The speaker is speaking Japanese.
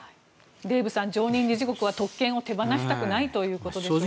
デーブさん、常任理事国は特権を手放したくないということですが。